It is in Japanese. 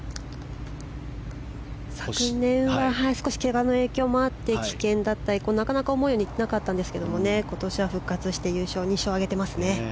昨年は少しけがの影響もあって棄権だったり、なかなか思うようにいかなかったんですが今年は復活して優勝２勝を挙げています。